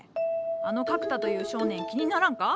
あの格太という少年気にならんか？